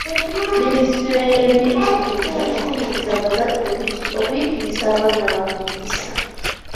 Minisitule y'ebyenjigiriza yakubiriza abazadde okuyigiriza abaana baabwe empisa.